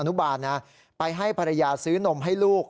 นุบาลนะไปให้ภรรยาซื้อนมให้ลูก